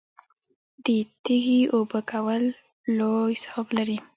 د تږي اوبه کول لوی ثواب لري.